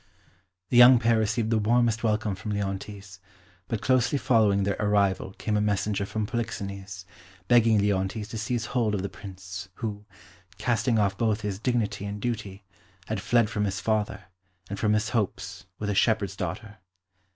The young pair received the warmest welcome from Leontes, but closely following their arrival came a messenger from Polixenes, begging Leontes to seize hold of the Prince, who, casting off both his dignity and duty, had fled from his father, and from his hopes, with a shepherd's daughter.